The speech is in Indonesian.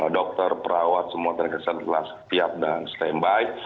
dokter perawat semua terkesan telah siap dan standby